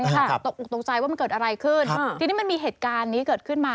อุตตรงใจว่ามันเกิดอะไรขึ้นครับครับที่นี้มันมีเหตุการณ์นี้เกิดขึ้นมา